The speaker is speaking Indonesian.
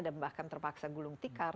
dan bahkan terpaksa gulung tikar